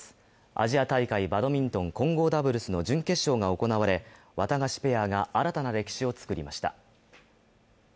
アジア大会、バドミントン混合ダブルスの準決勝が行われワタガシペアが新たな歴史を作りました。